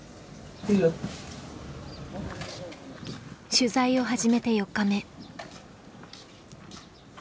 取材を始めて４日目。